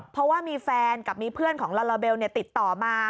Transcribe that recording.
เพราะว่ามีแฟนกับมีเพื่อนของลาลาเบลติดต่อมา